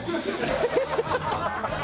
ハハハハ！